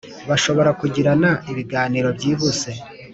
bashobora kugirana ibiganiro byihuse